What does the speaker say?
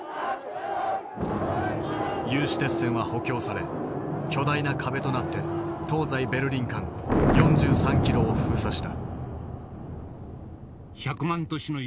有刺鉄線は補強され巨大な壁となって東西ベルリン間４３キロを封鎖した。